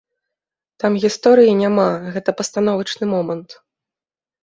Там гісторыі няма, гэта пастановачны момант.